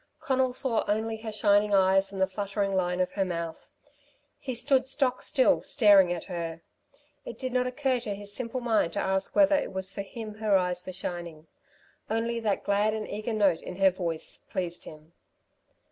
Conal saw only her shining eyes and the fluttering line of her mouth. He stood stock still staring at her. It did not occur to his simple mind to ask whether it was for him her eyes were shining. Only that glad and eager note in her voice pleased him.